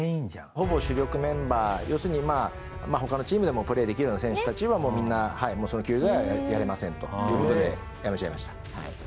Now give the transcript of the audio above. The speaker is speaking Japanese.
ほぼ主力メンバー要するにまあ他のチームでもプレーできるような選手たちはみんなその給料ではやれませんという事で辞めちゃいました。